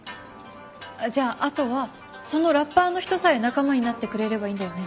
じゃああとはそのラッパーの人さえ仲間になってくれればいいんだよね？